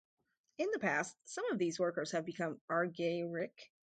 In the past, some of these workers have become argyric.